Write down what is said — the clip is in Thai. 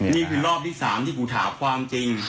นี่คือรอบที่๓ที่กูถามความจริง